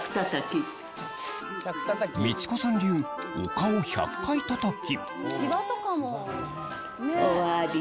道子さん流お顔１００回たたき